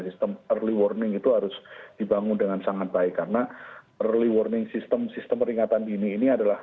sistem early warning itu harus dibangun dengan sangat baik karena early warning system sistem peringatan dini ini adalah